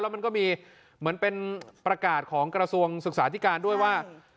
มันก็มีเหมือนเป็นประกาศของกระทรวงศึกษาธิการด้วยว่า